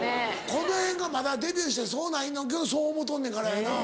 この辺がまだデビューしてそうないねんけどそう思うとんねんからやな。